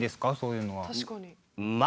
確かに。